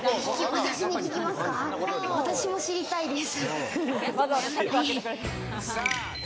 私も知りたいです。